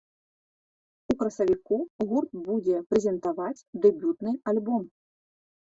У красавіку гурт будзе прэзентаваць дэбютны альбом.